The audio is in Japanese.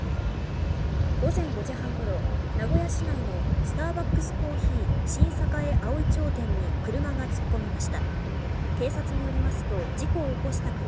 午前５時半ごろ、名古屋市内のスターバックスコーヒー新栄葵町店に車が突っ込みました。